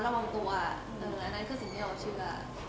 แล้วคือสิ่งที่เราจะเชื่อ